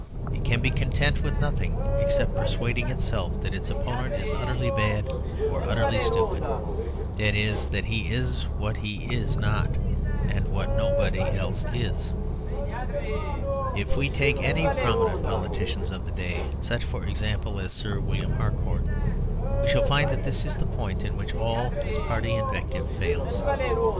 It can be content with nothing except persuading itself that its opponent is utterly bad or utterly stupid that is, that he is what he is not and what nobody else is. If we take any prominent politician of the day such, for example, as Sir William Harcourt we shall find that this is the point in which all party invective fails.